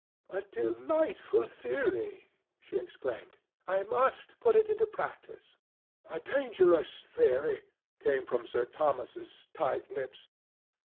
"A delightful theory!" she exclaimed. "I must put it into practice." "A dangerous theory!" came from Sir Thomas's tight lips.